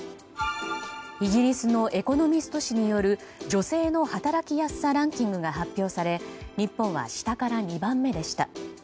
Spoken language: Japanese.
イギリスの「エコノミスト」誌による女性の働きやすさランキングが発表され日本は下から２番目でした。